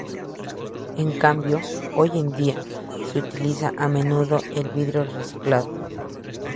En cambio, hoy en día, se utiliza a menudo el vidrio reciclado.